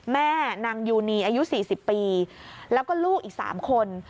แม่นางยูนีอายุ๔๐ปีแล้วก็ลูกอีก๓คน